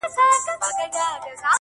؛اوښکو را اخیستي جنازې وي د بګړیو؛